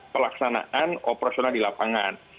pelaksanaan operasional di lapangan